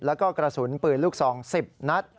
แล้วก็กระสุนปืนลูกซอง๑๐นัด